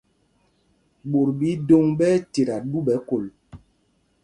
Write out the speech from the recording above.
Ɓot ɓɛ idôŋ ɓɛ́ ɛ́ tita ɗu ɓɛ kol.